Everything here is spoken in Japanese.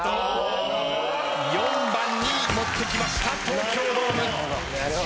４番に持ってきました東京ドーム。